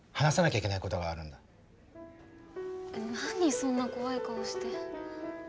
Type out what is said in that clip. そんな怖い顔して。